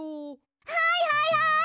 はいはいはい！